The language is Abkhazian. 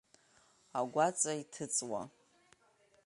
Агәаҵа иҭыҵуа…